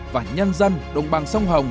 và nhân dân đồng bằng sông hồng